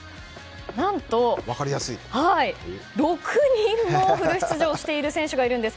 何と６人もフル出場している選手がいるんです。